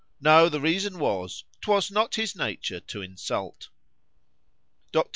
——No; the reason was,—'twas not his nature to insult. Dr.